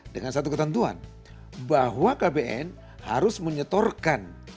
dengan satu ketentuan bahwa kbn harus menyetorkan